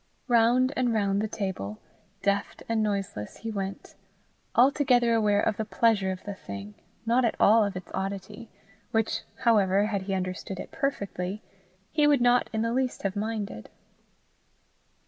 Round and round the table, deft and noiseless, he went, altogether aware of the pleasure of the thing, not at all of its oddity which, however, had he understood it perfectly, he would not in the least have minded.